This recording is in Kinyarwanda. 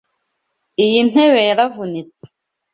Iyi ntebe yaravunitse.